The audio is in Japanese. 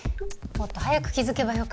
もっと早く気づけばよかった。